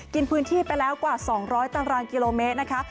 กินพื้นที่ไปแล้วกว่า๒๐๐ตารางกิโลเมตรนะคะ